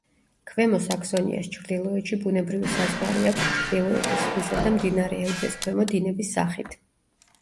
ქვემო საქსონიას ჩრდილოეთში ბუნებრივი საზღვარი აქვს ჩრდილოეთის ზღვისა და მდინარე ელბეს ქვემო დინების სახით.